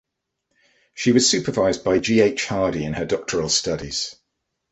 She was supervised by G. H. Hardy in her doctoral studies.